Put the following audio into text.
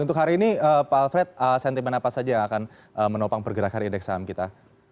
untuk hari ini pak alfred sentimen apa saja yang akan menopang pergerakan indeks saham kita